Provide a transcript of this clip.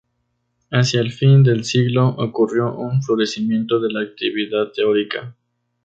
Hacia el fin del siglo, ocurrió un florecimiento de la actividad teórica.